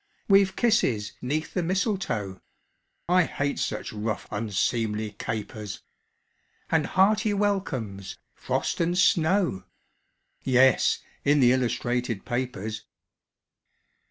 _) We've kisses 'neath the mistletoe (I hate such rough, unseemly capers!) And hearty welcomes, frost and snow; (_Yes, in the illustrated papers.